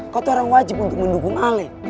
kotoran wajib untuk mendukung ale